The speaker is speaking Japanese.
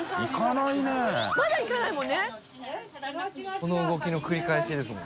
この動きの繰り返しですもん。